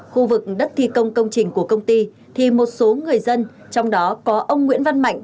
khu vực đất thi công công trình của công ty thì một số người dân trong đó có ông nguyễn văn mạnh